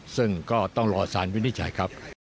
ซึ่งก็ต้องรอสารวินิจฉัยครับ